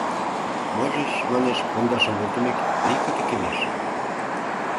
Можыч, манеш, пондашым волтымек, вий катыкемеш.